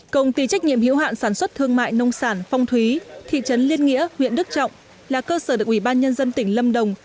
công ty trách nhiệm hiệu hạn sản xuất thương mại nông sản phong thúy thị trấn liên nghĩa huyện đức trọng là cơ sở được ủy ban nhân dân tỉnh lâm đồng